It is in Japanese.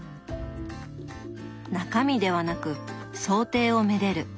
中身ではなく装丁を愛でる。